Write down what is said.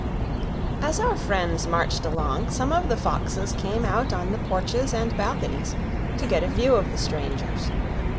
As our friends marched along, some of the foxes came out on the porches and balconies to get a view of the strangers.